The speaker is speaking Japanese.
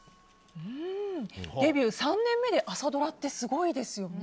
デビュー３年目で朝ドラってすごいですね。